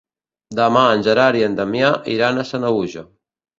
Demà en Gerard i en Damià iran a Sanaüja.